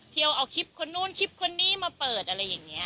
เที่ยวเอาคลิปคนนู้นคลิปคนนี้มาเปิดอะไรอย่างนี้